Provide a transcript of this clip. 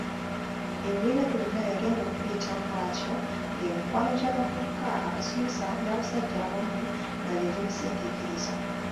Ebibiina byonna yagenda okubiyitamu bw’atyo ng’emikwano gy’abavubuka, abasomesa, n'abasajja abamu nga gye gimusindiikiriza.